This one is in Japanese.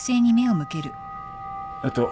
えっと。